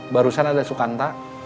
barusan ada sukanta